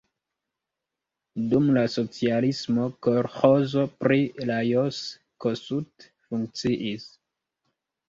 Dum la socialismo kolĥozo pri Lajos Kossuth funkciis.